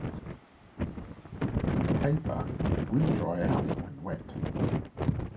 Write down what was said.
Paper will dry out when wet.